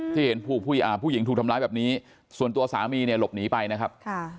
ที่เห็นผู้หญิงถูกทำร้ายแบบนี้ส่วนตัวสามีเนี่ยหลบหนีไปนะครับ